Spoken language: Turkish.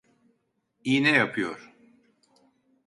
İğne yapıyor…